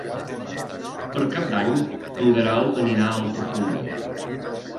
Per Cap d'Any en Guerau anirà a Altafulla.